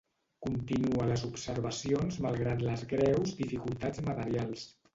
Continua les observacions malgrat les greus dificultats materials.